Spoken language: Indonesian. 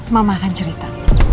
mama akan cerita